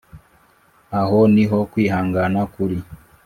aho ni ho kwihangana kuri